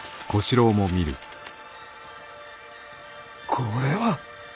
これは。